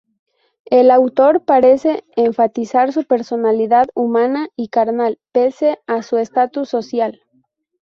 El autor parece enfatizar su personalidad humana y carnal pese a su estatus social.